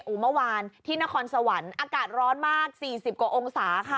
เมื่อวานที่นครสวรรค์อากาศร้อนมาก๔๐กว่าองศาค่ะ